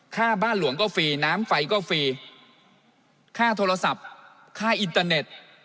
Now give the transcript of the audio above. ค่าบ้านหลวงก็ฟรีน้ำไฟก็ฟรีค่าโทรศัพท์ค่าอินเตอร์เน็ต